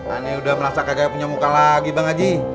aneh udah merasa kayak punya muka lagi bang haji